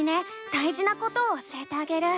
だいじなことを教えてあげる。